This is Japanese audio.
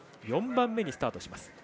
４番目にスタートします。